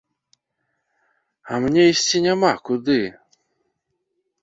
А мне ісці няма куды.